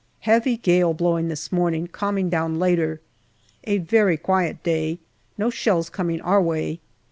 Heavy gale blowing this morning, calming down later. A very quiet day, no shells coming our way.